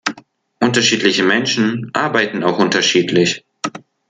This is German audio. Unterschiedliche Menschen arbeiten auch unterschiedlich.